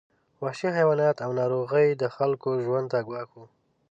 وحشي حیوانات او ناروغۍ د خلکو ژوند ته ګواښ وو.